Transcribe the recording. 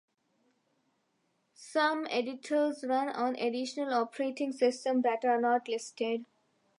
Some editors run on additional operating systems that are not listed.